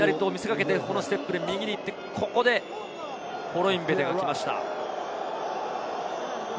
左と見せかけて右に行ってここでコロインベテが来ました。